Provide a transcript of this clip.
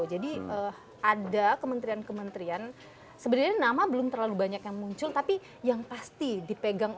jadi ada kementerian kementerian sebenarnya nama belum terlalu banyak yang muncul tapi yang pasti dipegang oleh